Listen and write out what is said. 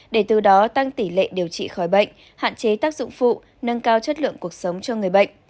để từ đó tăng tỷ lệ điều trị khỏi bệnh hạn chế tác dụng phụ nâng cao chất lượng cuộc sống cho người bệnh